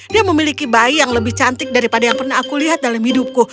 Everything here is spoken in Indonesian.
dia memiliki bayi yang lebih cantik daripada yang pernah aku lihat dalam hidupku